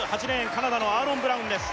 カナダのアーロン・ブラウンです